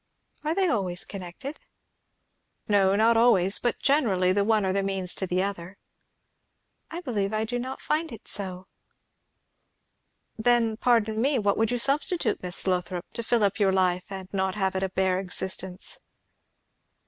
"Are they always connected?" "Not always; but generally, the one are the means to the other." "I believe I do not find it so." "Then, pardon me, what would you substitute, Miss Lothrop, to fill up your life, and not have it a bare existence?"